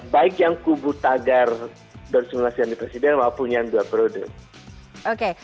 baik yang kubu tagar bersumlah siang di presiden maupun yang dua terude